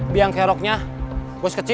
lihat kalau kerasnya bos kecil